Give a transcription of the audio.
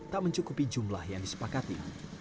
tak mencukupi jumlah yang disepakati